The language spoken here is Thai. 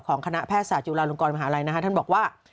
ของคณะแพทย์ศาสตร์จุฬาลงกรมหาลัยนะฮะท่านบอกว่า